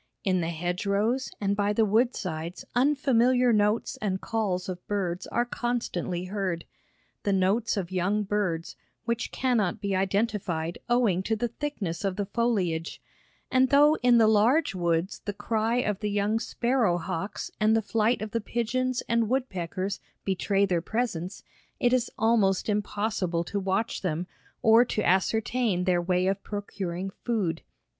In the hedgerows and by the wood sides unfamiliar notes and calls of birds are constantly heard the notes of young birds, which cannot be identified owing to the thickness of the foliage, and though in the large woods the cry of the young sparrow hawks and the flight of the pigeons and woodpeckers betray their presence, it is almost impossible to watch them, or to ascertain their way of procuring food.